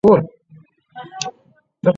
磅是英国与美国所使用的英制质量单位。